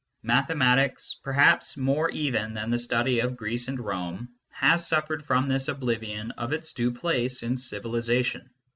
Mathematics, perhaps more even than the study of Greece and Rome, has suffered from this oblivion of its due place in civilisation.